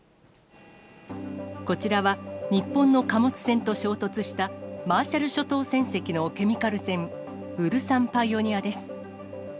こちらは日本の貨物船と衝突したマーシャル諸島船籍のケミカル船、ウルサン・パイオニアです。